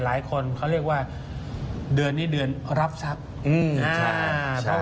หลายคนเขาเรียกว่าเดือนนี้เดือนรับทรัพย์